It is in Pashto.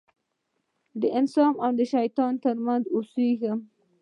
د انسان او شیطان تر منځ اوسېږم.